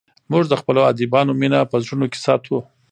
موږ د خپلو ادیبانو مینه په زړونو کې ساتو.